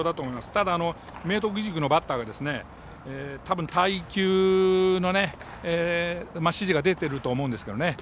ただ、明徳義塾のバッターが多分、待球の指示が出ていると思うんですよね。